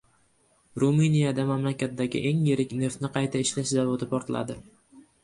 Ruminiyada mamlakatdagi eng yirik neftni qayta ishlash zavodi portladi